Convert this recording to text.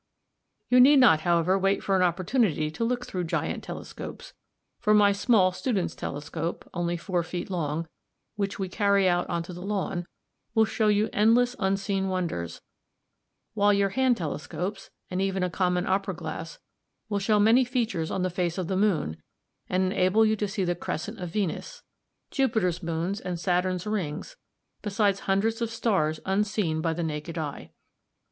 "You need not, however, wait for an opportunity to look through giant telescopes, for my small student's telescope, only four feet long, which we carry out on to the lawn, will show you endless unseen wonders; while your hand telescopes, and even a common opera glass, will show many features on the face of the moon, and enable you to see the crescent of Venus, Jupiter's moons, and Saturn's rings, besides hundreds of stars unseen by the naked eye.